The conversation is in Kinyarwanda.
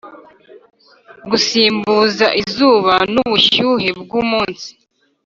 gusimbuza izuba nubushyuhe bwumunsi.